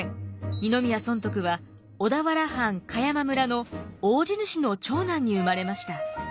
二宮尊徳は小田原藩栢山村の大地主の長男に生まれました。